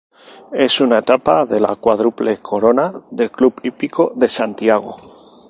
Es una etapa de la Cuádruple Corona del Club Hípico de Santiago.